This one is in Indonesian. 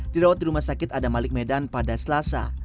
dirawat di rumah sakit adam malik medan pada selasa